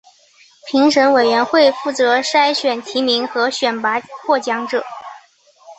评审委员会负责筛选提名和选拔获奖者。